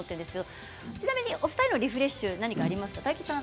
ちなみにお二人のリフレッシュは何かありますか？